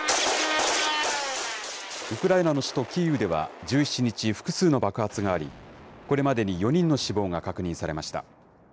ウクライナの首都キーウでは、１７日、複数の爆発があり、これまでに４人の死亡が確認されました。